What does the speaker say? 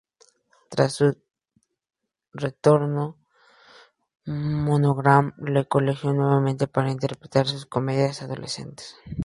Tras su retorno, Monogram le escogió nuevamente para interpretar sus comedias "Adolescentes".